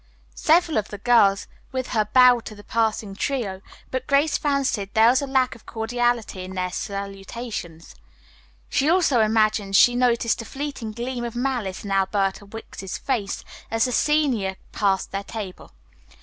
Several of the girls with her bowed to the passing trio, but Grace fancied there was a lack of cordiality in their salutations. She also imagined she noticed a fleeting gleam of malice in Alberta Wicks's face as the senior passed their table.